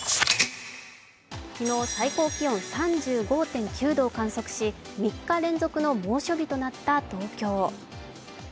昨日、最高気温３５．９度を観測し３日連続の猛暑日となった東京。